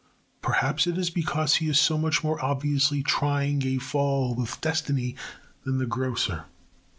Perhaps it is because he is so much more obviously trying a fall with destiny than the grocer.